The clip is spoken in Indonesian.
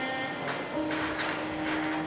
aku sudah tidur di rumah itu lagi